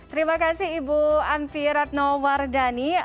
terima kasih ibu amfi ratno mardani